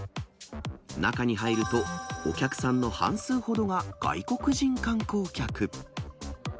中に入ると、お客さんの半数ほどが外国人観光客。